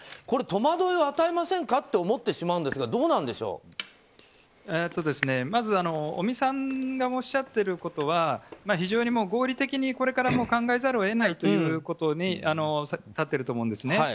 これ戸惑いを与えませんかと思ってしまうんですがまず、尾身さんがおっしゃっていることは非常に合理的にこれから考えざるを得ないというところに立っていると思うんですね。